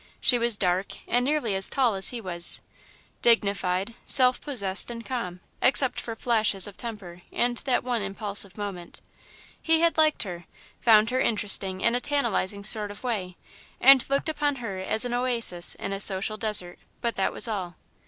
She was dark, and nearly as tall as he was; dignified, self possessed, and calm, except for flashes of temper and that one impulsive moment. He had liked her, found her interesting in a tantalising sort of way, and looked upon her as an oasis in a social desert, but that was all.